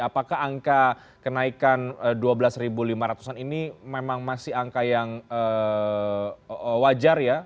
apakah angka kenaikan dua belas lima ratus an ini memang masih angka yang wajar ya